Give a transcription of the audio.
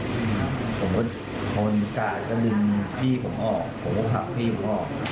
ผมก็คนกาดก็ดึงพี่ผมออกผมก็ผลักพี่ผมออก